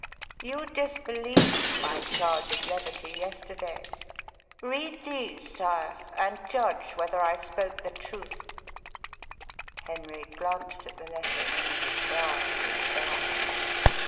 You disbelieved my charge of levity yesterday. Read these, sire, and judge whether I spoke the truth." Henry glanced at the letters, and his brow grew dark.